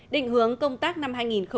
định hướng công tác năm hai nghìn một mươi tám